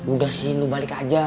udah sin lo balik aja